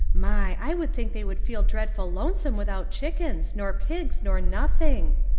My ! I should think they would feel dreadful lonesome without chickens, nor pigs, nor nothing!